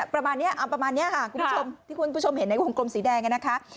ประมาณนี้ค่ะที่คุณผู้ชมเห็นในวงกลมสีแดงนะคะ